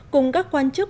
cùng các quan chức